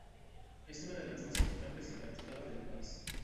Es una de las más importantes y transitadas del país.